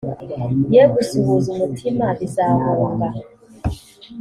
ye gusuhuza umutima bizahunga